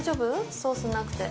ソースなくて。